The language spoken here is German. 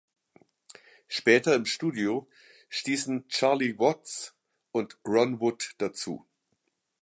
Später im Studio stießen Charlie Watts und Ron Wood dazu.